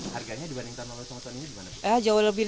harganya dibandingkan sama lo semuanya ini gimana